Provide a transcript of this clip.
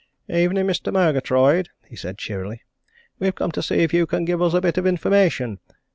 "Evening, Mr. Murgatroyd," he said cheerily. "We've come to see if you can give us a bit of information.